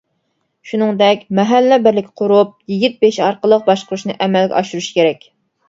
شۇنىڭدەك، مەھەللە بىرلىكى قۇرۇپ، يىگىت بېشى ئارقىلىق باشقۇرۇشنى ئەمەلگە ئاشۇرۇش كېرەك.